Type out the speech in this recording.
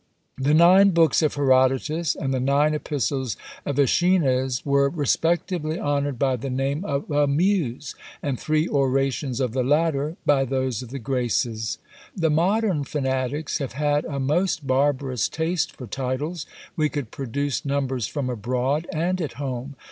The nine books of Herodotus, and the nine epistles of Æschines, were respectively honoured by the name of a Muse; and three orations of the latter, by those of the Graces. The modern fanatics have had a most barbarous taste for titles. We could produce numbers from abroad, and at home.